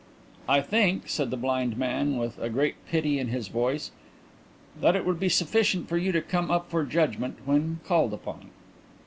"I think," said the blind man, with a great pity in his voice, "that it will be sufficient for you to come up for Judgment when called upon."